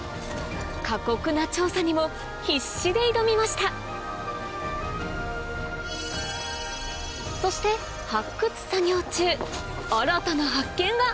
過酷な調査にも必死で挑みましたそして発掘作業中新たな発見が！